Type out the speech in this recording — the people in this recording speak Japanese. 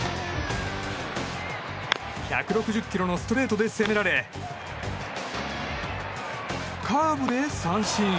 １６０キロのストレートで攻められカーブで三振。